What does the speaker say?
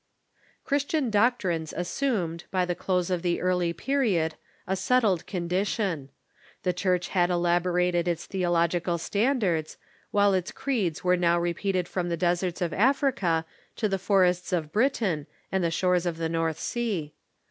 Christian doctrines assumed, by the close of the early period, a settled condition. The Church had elaborated its theolog _.. ical standards, while its creeds were now repeated from DoctrinGS the deserts of Africa to the forests of Britain and the shores of the Xorth Sea.